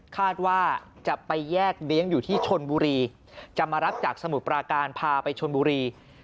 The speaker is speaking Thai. คาดว่าจะไปแยกเลี้ยงอยู่ที่ชนบุรีจะมารับจากสมุทรปราการพาไปชนบุรี